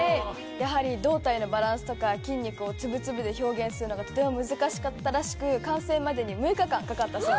やはり胴体のバランスとか筋肉をつぶつぶで表現するのがとても難しかったらしく完成までに６日間かかったそうです。